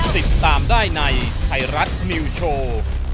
สิทธิ์ตามได้ในไทรัฐมิวโชว์